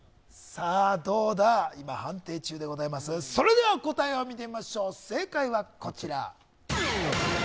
今、判定中でございますがそれでは答えを見てみましょう正解はこちら。